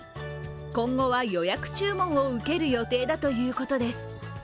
今後は予約注文を受ける予定だということです。